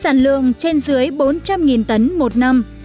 sản lượng trên dưới bốn trăm linh tấn một năm